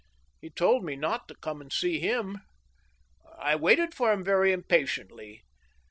He told me not to come and see him. ... I waited for him very impatiently.